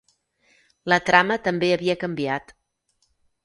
La trama també havia canviat.